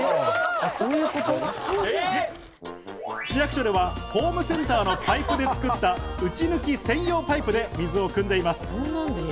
市役所ではホームセンターのパイプで作ったうちぬき専用パイプで水を汲んでいます。